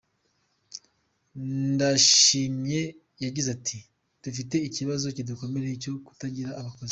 Ndashimye yagize ati : “Dufite ikibazo kidukomereye cyo kutagira abakozi.